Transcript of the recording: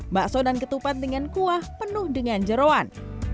bakso dan ketupat dengan kuah penuh dengan jerawan